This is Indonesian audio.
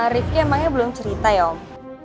rifki emangnya belum cerita ya om